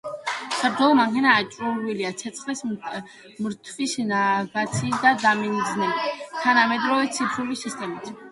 საბრძოლო მანქანა აღჭურვილია ცეცხლის მართვის, ნავიგაციის და დამიზნების თანამედროვე ციფრული სისტემებით.